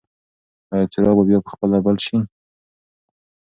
ایا څراغ به بیا په خپله بل شي؟